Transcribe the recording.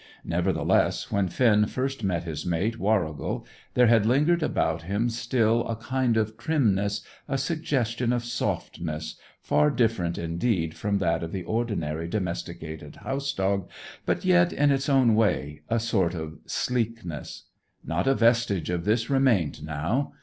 Nevertheless, when Finn first met his mate, Warrigal, there had lingered about him still a kind of trimness, a suggestion of softness, far different, indeed, from that of the ordinary domesticated house dog; but yet, in its own way, a sort of sleekness. Not a vestige of this remained now.